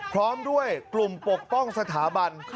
พร้อมด้วยกลุ่มปกป้องสถาบัน